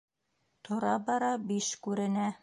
Тора-бара биш күренә.